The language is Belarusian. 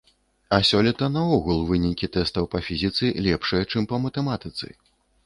А сёлета наогул вынікі тэстаў па фізіцы лепшыя, чым па матэматыцы.